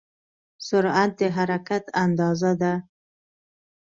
سرعت د حرکت اندازه ده.